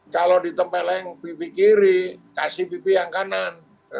kalau ditempeleng pipi kiri kasih pipi yang kanan